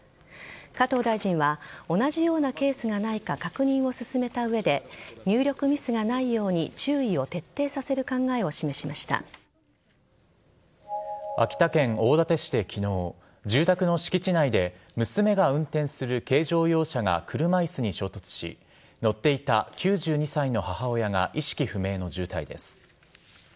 加藤大臣は同じようなケースがないか確認を進めた上で入力ミスがないように注意を徹底させる考えを秋田県大館市で昨日住宅の敷地内で娘が運転する軽乗用車が車椅子に衝突し乗っていた９２歳の母親が意識不明の重体です。